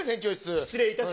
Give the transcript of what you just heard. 失礼いたします。